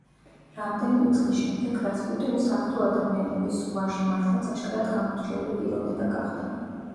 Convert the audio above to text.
რამდენიმე წლის შემდეგ რასპუტინი „საღვთო ადამიანების“ ზღვაში მართლაც აშკარად გამორჩეული პიროვნება გახდა.